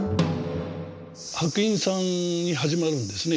白隠さんに始まるんですね